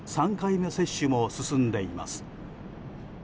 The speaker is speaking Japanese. ３回目接種も進んでいます。